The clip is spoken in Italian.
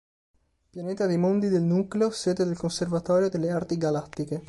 Pianeta dei Mondi del Nucleo, sede del conservatorio delle arti galattiche.